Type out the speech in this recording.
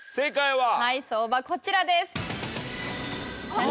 はい相場こちらです。